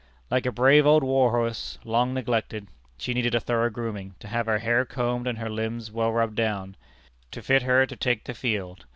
Like a brave old war horse, long neglected, she needed a thorough grooming, to have her hair combed and her limbs well rubbed down, to fit her to take the field.